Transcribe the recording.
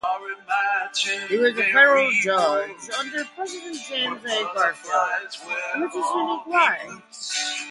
He was a Federal District Attorney under President James A. Garfield.